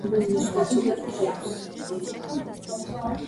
იყენებენ მის ხორცსა და რქებს.